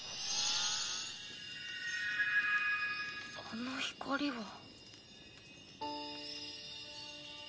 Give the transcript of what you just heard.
あの光は？